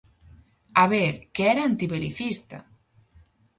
A ver, que era antibelicista!